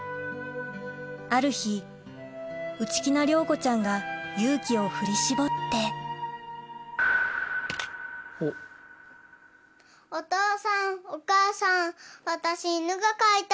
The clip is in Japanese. ある日内気な亮子ちゃんが勇気を振り絞ってお父さんお母さん私。